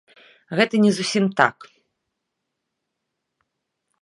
Гэта не зусім так.